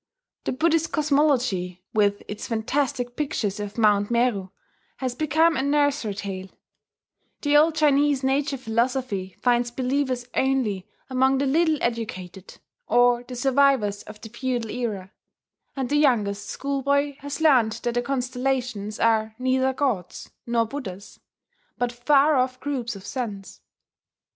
The Buddhist cosmology, with its fantastic pictures of Mount Meru, has become a nursery tale; the old Chinese nature philosophy finds believers only among the little educated, or the survivors of the feudal era; and the youngest schoolboy has learned that the constellations are neither gods nor Buddhas, but far off groups of suns.